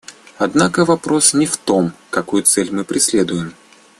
Однако вопрос не в том, какую цель мы преследуем.